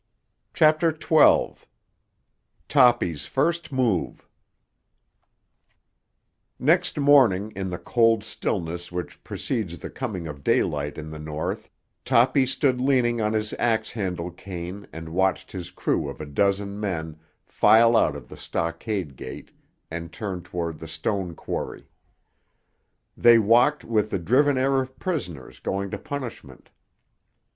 CHAPTER XII—TOPPY'S FIRST MOVE Next morning, in the cold stillness which precedes the coming of daylight in the North, Toppy stood leaning on his axe handle cane and watched his crew of a dozen men file out of the stockade gate and turn toward the stone quarry. They walked with the driven air of prisoners going to punishment.